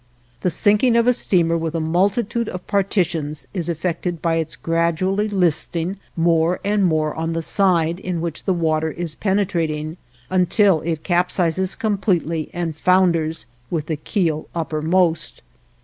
The sinking of a steamer with a multitude of partitions is effected by its gradually listing more and more on the side in which the water is penetrating, until it capsizes completely and founders with the keel uppermost.